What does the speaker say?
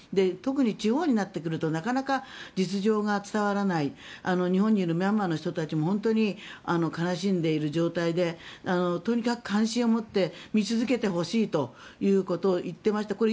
特に地方になってくるとなかなか実情が伝わらない日本にいるミャンマーの人たちも本当に悲しんでいる状態でとにかく関心を持って見続けてほしいということを言ってました。